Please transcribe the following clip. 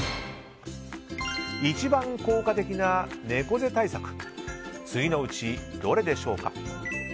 一番効果的な猫背対策は次のうちどれでしょうか。